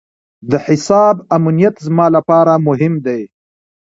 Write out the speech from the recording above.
د حساب امنیت زما لپاره مهم دی.